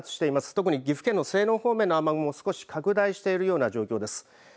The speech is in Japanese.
特に岐阜県の西濃方面の雨雲少し拡大しているような状況です。